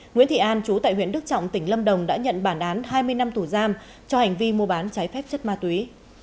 nguyễn thị an chú tại huyện đức trọng tỉnh lâm đồng đã nhận bản án hai mươi năm tù giam cho hành vi mua bán trái phép chất ma túy